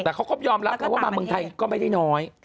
แต่เขาก็ยอมรับไงว่ามาเมืองไทยก็ไม่ได้น้อย